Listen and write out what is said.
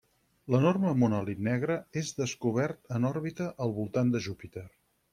L'enorme monòlit negre és descobert en òrbita al voltant de Júpiter.